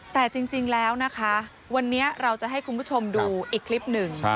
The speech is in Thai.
แต่จริงแล้วนะคะวันนี้เราจะให้คุณผู้ชมดูอีกคลิปหนึ่ง